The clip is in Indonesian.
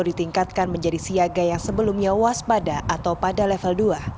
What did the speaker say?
ditingkatkan menjadi siaga yang sebelumnya waspada atau pada level dua